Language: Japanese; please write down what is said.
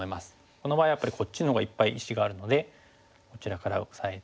この場合やっぱりこっちのほうがいっぱい石があるのでこちらからオサえて。